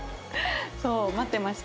そう待ってましたよ。